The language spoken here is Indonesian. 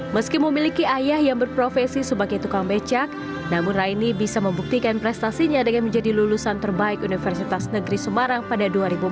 meski memiliki ayah yang berprofesi sebagai tukang becak namun raini bisa membuktikan prestasinya dengan menjadi lulusan terbaik universitas negeri semarang pada dua ribu empat belas